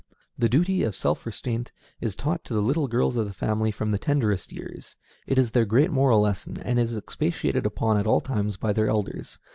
The duty of self restraint is taught to the little girls of the family from the tenderest years; it is their great moral lesson, and is expatiated upon at all times by their elders.